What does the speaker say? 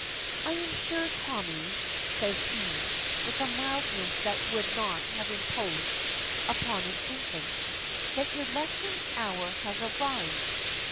"I am sure, Tommy," says she, with a mildness that would not have imposed upon an infant, "that your lesson hour has arrived.